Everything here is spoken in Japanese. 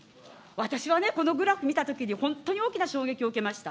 私はね、このグラフを見たときに、本当に大きな衝撃を受けました。